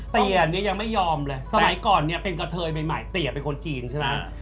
เตี๋ยเนี่ยยังไม่ยอมเลยสมัยก่อนเนี่ยเป็นกระเทยใหม่เตี๋ยเป็นคนจีนใช่ไหม